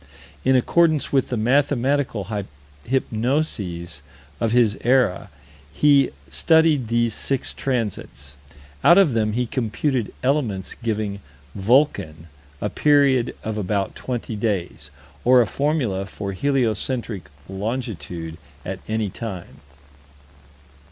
In accordance with the mathematical hypnoses of his era, he studied these six transits. Out of them he computed elements giving "Vulcan" a period of about 20 days, or a formula for heliocentric longitude at any time.